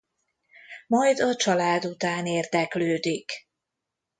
Majd a család után érdeklődik.